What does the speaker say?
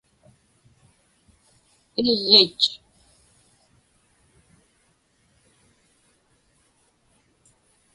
iġġich